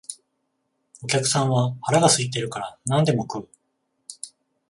お客さんは腹が空いているから何でも食う